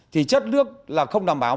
thì chất nước là không đảm bảo